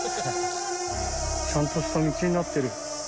ちゃんとした道になってる。